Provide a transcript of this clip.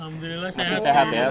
masih sehat ya